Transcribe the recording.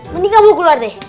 mending kamu keluar deh